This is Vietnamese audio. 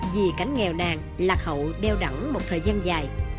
vì cảnh nghèo nàn lạc hậu đeo đẳng một thời gian dài